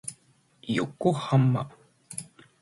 横浜